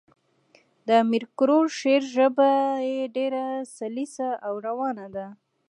د امیر کروړ شعر ژبه ئي ډېره سلیسه او روانه ده.